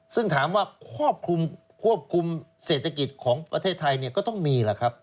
ซึ่งถามว่าควบคุมเศรษฐกิจของประเทศไทยเนี่ยก็ต้องมีล่ะครับ